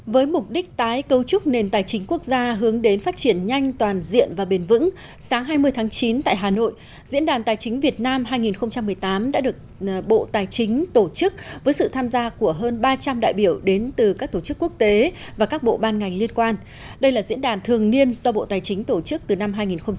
với mục đích tái cấu trúc nền tài chính quốc gia hướng đến phát triển nhanh toàn diện và bền vững sáng hai mươi tháng chín tại hà nội diễn đàn tài chính việt nam hai nghìn một mươi tám đã được bộ tài chính tổ chức với sự tham gia của hơn ba trăm linh đại biểu đến từ các tổ chức quốc tế và các bộ ban ngành liên quan đây là diễn đàn thường niên do bộ tài chính tổ chức từ năm hai nghìn một mươi bảy